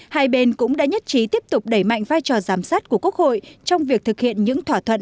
hai bên cũng đã nhất trí tiếp tục đẩy mạnh vai trò giám sát của quốc hội trong việc thực hiện những thỏa thuận